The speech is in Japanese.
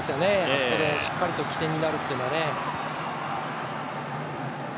あそこでしっかりと起点になるっていうのはね。